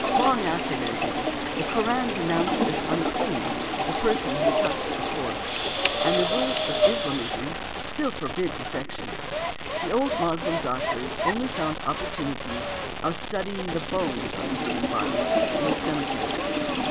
Long after their day, the Koran denounced as unclean the person who touched a corpse, and |150| the rules of Islamism still forbid dissection; the old Moslem doctors only found opportunities of studying the bones of the human body in the cemeteries.